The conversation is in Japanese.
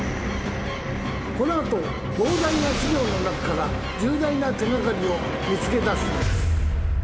この後膨大な資料の中から重大な手掛かりを見つけだすのです。